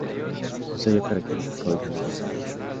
Su sello característico es el abrazo de oso.